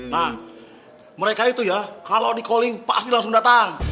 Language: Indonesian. nah mereka itu ya kalo dikalling pasti langsung datang